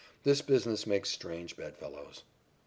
This business makes strange bed fellows.